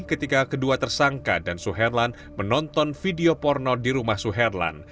ketika kedua tersangka dan suherlan menonton video porno di rumah suherlan